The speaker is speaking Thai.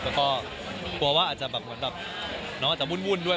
แล้วก็กลัวว่าอาจจะแบบเหมือนแบบน้องอาจจะวุ่นด้วย